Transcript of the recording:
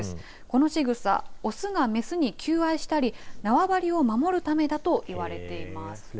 このしぐさオスがメスに求愛したり縄張りを守るためだと言われています。